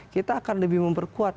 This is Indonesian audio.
kita akan lebih memperkuat